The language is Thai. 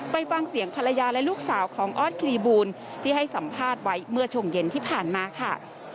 ไปฟังเสียงภรรยาและลูกสาวของออสครีบูลที่ให้สัมภาษณ์ไว้เมื่อช่วงเย็นที่ผ่านมาค่ะ